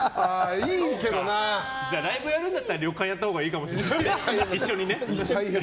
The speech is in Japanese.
じゃあライブやるんだったら旅館やったほうがいいかもしれない一緒にね。